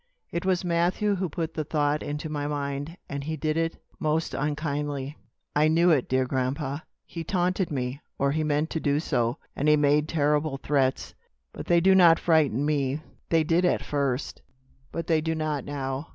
It was Matthew who put the thought into my mind, and he did it most unkindly." "I knew it, dear grandpa. He taunted me, or he meant to do so, and he made terrible threats, but they do not frighten me. They did at first, but they do not now.